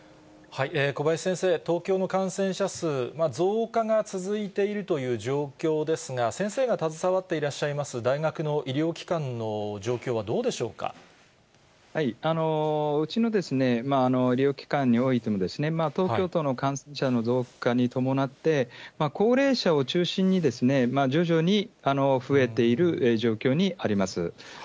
小林先生、東京の感染者数、増加が続いているという状況ですが、先生が携わっていらっしゃいます、大学の医療機関の状況はどうでしうちの医療機関においても、東京都の感染者の増加に伴って、高齢者を中心に、徐々に増えている状況にあります。